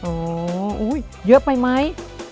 โอ้อุ้ยเยอะไปมั้ย